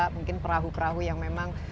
mungkin perahu perahu yang memang